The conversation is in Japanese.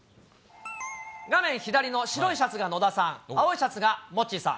画面左の白いシャツが野田さん、青いシャツがモッチーさん。